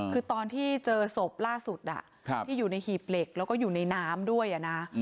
คือตอนที่เจอศพล่าสุดที่อยู่ในหีบเหล็กแล้วก็อยู่ในน้ำด้วยนะ